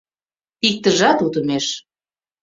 Иктыжат утымеш...